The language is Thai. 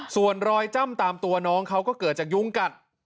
ส่วนรอยจ้ำตามตัวน้องเขาก็เกิดจากยุ้งกัด